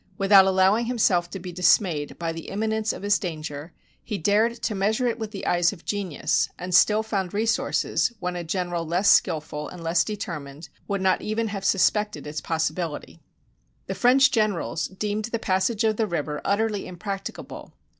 Without allowing himself to be dismayed by the imminence of his danger, he dared to measure it with the eye of genius, and still found resources when a general less skillful and less determined would not even have suspected its pos sibility." The French generals deemed the passage of the river utterly impracticable.